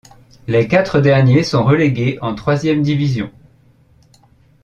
Les quatre derniers sont relégués en troisième division.